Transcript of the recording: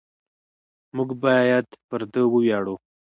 موږ باید پر ده وویاړو.